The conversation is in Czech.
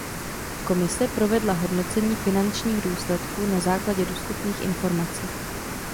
Komise provedla hodnocení finančních důsledků na základě dostupných informací.